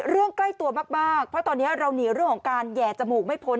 ใกล้ตัวมากเพราะตอนนี้เราหนีเรื่องของการแห่จมูกไม่พ้น